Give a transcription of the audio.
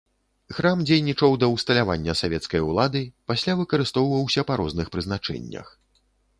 Храм дзейнічаў да ўсталявання савецкай улады, пасля выкарыстоўваўся па розных прызначэннях.